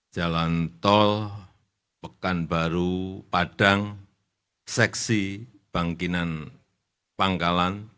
jalan tol pekanbaru padang seksi bangkinan pangkalan